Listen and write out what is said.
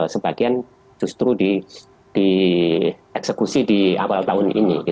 sebagian justru dieksekusi di awal tahun ini